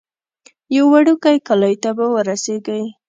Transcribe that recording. یو وړوکی کلی ته به رسیږئ.